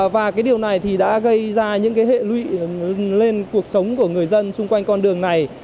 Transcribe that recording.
và cái điều này thì đã gây ra những hệ lụy lên cuộc sống của người dân xung quanh con đường này